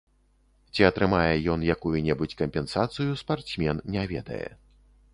Ці атрымае ён якую-небудзь кампенсацыю, спартсмен не ведае.